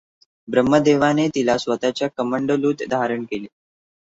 ब्रह्मदेवाने तिला स्वतःच्या कमंडलूत धारण केले.